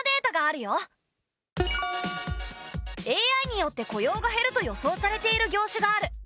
ＡＩによって雇用が減ると予想されている業種がある。